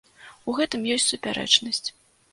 У гэтым ёсць супярэчнасць.